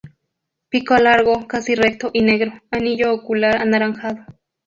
Pico largo, casi recto y negro; anillo ocular anaranjado.